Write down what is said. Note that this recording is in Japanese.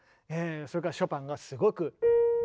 それからショパンがすごく。